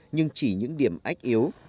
nhưng chỉ những điểm ách yếu